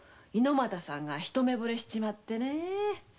猪股さんが一目ぼれしちまってね。